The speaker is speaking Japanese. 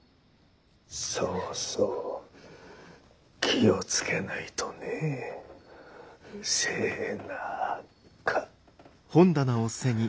そうそう気をつけないとねぇせ・な・か。